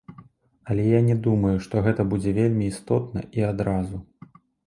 Але я не думаю, што гэта будзе вельмі істотна і адразу.